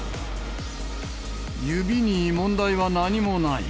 指に問題は何もない。